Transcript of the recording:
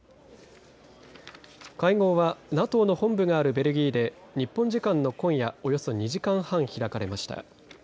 会合はＮＡＴＯの本部があるベルギーで日本時間の今夜およそ２時間半開かれました。